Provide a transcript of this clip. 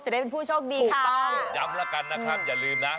ได้เป็นผู้โชคดีถูกต้องย้ำแล้วกันนะครับอย่าลืมนะ